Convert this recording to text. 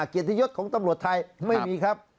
เกียรติยศของตำรวจไทยไม่มีครับ